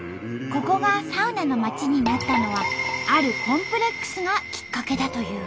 ここがサウナの町になったのはあるコンプレックスがきっかけだという。